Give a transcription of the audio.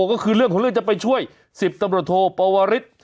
ก็คือเรื่องของเรื่องจะไปช่วย๑๐ตำรวจโทปวริส